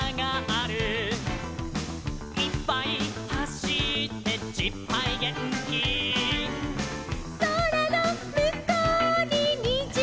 「いっぱいはしってじっぱいげんき」「そらのむこうににじがある」